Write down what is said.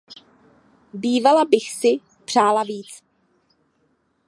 Bývala bych si přála víc.